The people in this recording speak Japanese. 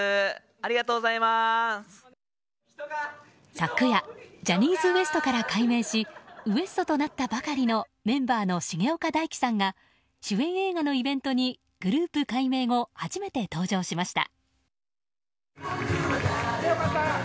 昨夜ジャニーズＷＥＳＴから改名しＷＥＳＴ．となったばかりのメンバーの重岡大毅さんが主演映画のイベントにグループ改名後初めて登場しました。